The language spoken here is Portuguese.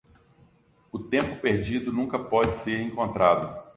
O tempo perdido nunca pode ser encontrado.